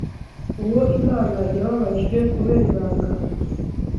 Uwo Imana yababajwe kubera ibanga